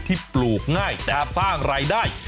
แต่ฟ่าในรายได้